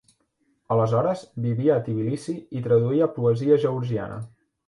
Aleshores, vivia a Tbilissi i traduïa poesia georgiana.